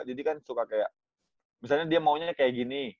jadi kan suka kayak misalnya dia maunya kayak gini